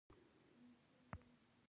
مجاهد د شریعت پیرو وي.